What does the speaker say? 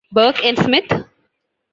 Burk and Smith?